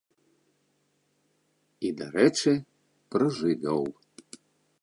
І, дарэчы, пра жывёл.